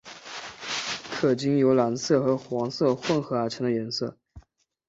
可经由蓝色和黄色混和而成的颜色。